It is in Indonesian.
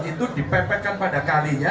itu dipepetkan pada kalinya